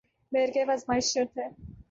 بہرکیف آزمائش شرط ہے ۔